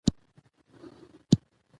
هغه پرېکړې چې پر واقعیت ولاړې وي دوام لري